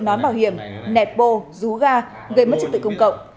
nón bảo hiểm nẹt bô rú ga gây mất trật tự công cậu